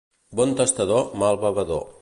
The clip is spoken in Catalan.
Bon tastador, mal bevedor.